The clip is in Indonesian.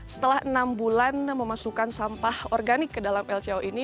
setelah enam bulan memasukkan sampah organik ke dalam lco ini